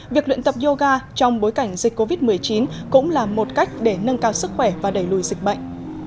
việc luyện tập yoga trong bối cảnh dịch covid một mươi chín cũng là một cách để nâng cao sức khỏe và đẩy lùi dịch bệnh